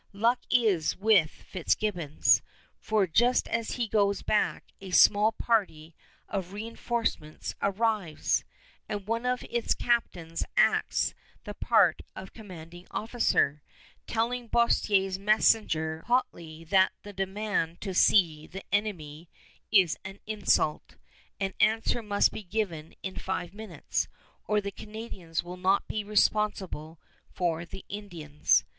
Luck is with Fitzgibbons, for just as he goes back a small party of reënforcements arrives, and one of its captains acts the part of commanding officer, telling Boerstler's messenger haughtily that the demand to see the enemy is an insult, and answer must be given in five minutes or the Canadians will not be responsible for the Indians.